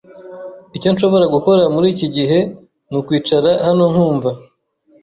Icyo nshobora gukora muriki gihe nukwicara hano nkumva.